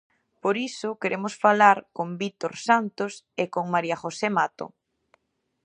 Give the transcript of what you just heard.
Por iso, queremos falar con Vítor Santos e con María José Mato.